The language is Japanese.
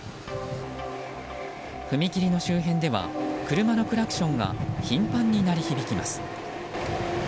踏切の周辺では車のクラクションが頻繁に鳴り響きます。